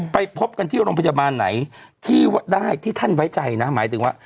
ไปพบกันที่โรงพยาบาลไหนที่ได้ที่ท่านไว้ใจนะหมายถึงว่า